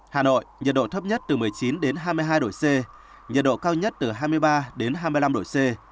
hà nội nhiệt độ thấp nhất từ một mươi chín đến hai mươi hai độ c nhiệt độ cao nhất từ hai mươi ba đến hai mươi năm độ c